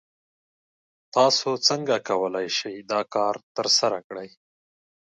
تاسو څنګه کولی شئ چې دا کار ترسره کړئ؟